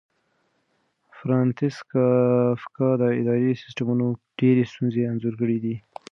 فرانتس کافکا د اداري سیسټمونو ډېرې ستونزې انځور کړې دي.